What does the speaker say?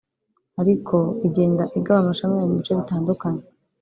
ariko igenda igaba amashami yayo mu bice bitandukanye